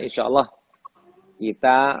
insya allah kita